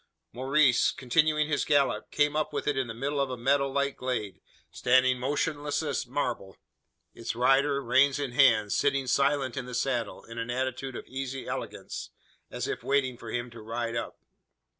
Maurice, continuing his gallop, came up with it in the middle of a meadow like glade standing motionless as marble its rider, reins in hand, sitting silent in the saddle, in an attitude of easy elegance, as if waiting for him to ride up!